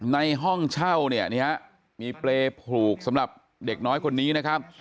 ในห้องเช่าเนี่ยมีเปรย์ผูกสำหรับเด็กน้อยคนนี้นะครับ